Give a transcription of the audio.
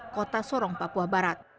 kota sorong papua barat